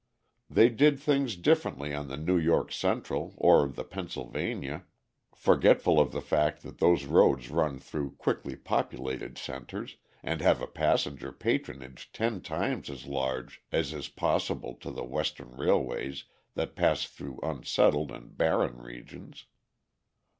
They did things differently on the New York Central or the Pennsylvania, (forgetful of the fact that those roads run through thickly populated centers, and have a passenger patronage ten times as large as is possible to the western railways that pass through unsettled and barren regions).